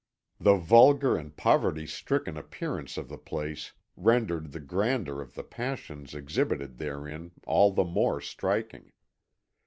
The vulgar and poverty stricken appearance of the place rendered the grandeur of the passions exhibited therein all the more striking.